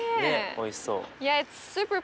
おいしそう。